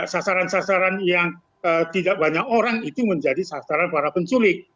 sasaran sasaran yang tidak banyak orang itu menjadi sasaran para penculik